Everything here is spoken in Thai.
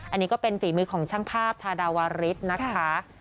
อันนี้ก็เป็นฝีมือของช่างภาพทาดาวาริสนะคะ